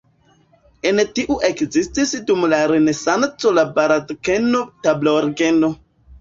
El tiu ekestis dum la renesanco la baldakeno-tablorgeno.